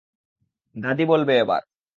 দাদী বলবে এবার।